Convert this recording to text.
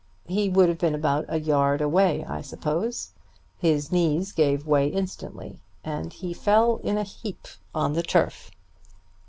He would have been about a yard away, I suppose. His knees gave way instantly, and he fell in a heap on the turf.